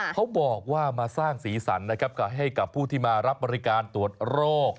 เขาบอกว่ามาสร้างสีสันนะครับให้กับผู้ที่มารับบริการตรวจโรค